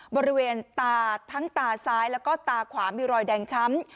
บริเวณตาทั้งตาซ้ายแล้วก็ตาขวามีรอยแดงช้ำ